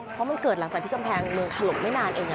เพราะมันเกิดหลังจากที่กำแพงเมืองถล่มไม่นานเอง